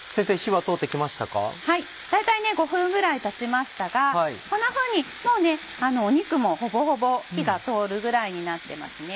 はい大体５分ぐらいたちましたがこんなふうにもう肉もほぼほぼ火が通るぐらいになってますね。